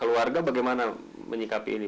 keluarga bagaimana menyikapi ini